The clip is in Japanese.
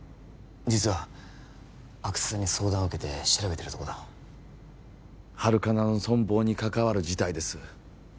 実は阿久津さんに相談を受けて調べてるとこだハルカナの存亡に関わる事態です